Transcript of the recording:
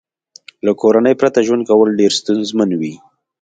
له کورنۍ پرته ژوند کول ډېر ستونزمن وي